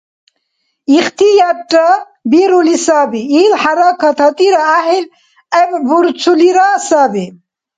Ихтиярра бирули саби, ил хӀяракат гьатӀира гӀяхӀил гӀеббурцулира саби.